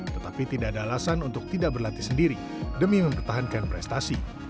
tetapi tidak ada alasan untuk tidak berlatih sendiri demi mempertahankan prestasi